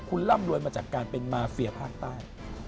คุณร่ำรวยมาจากการเป็นมาเฟียภาคใต้